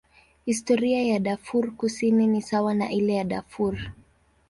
Historia ya Darfur Kusini ni sawa na ile ya Darfur.